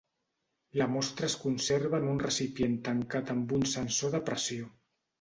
La mostra es conserva en un recipient tancat amb un sensor de pressió.